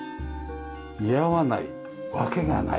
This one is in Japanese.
似合わないわけがない。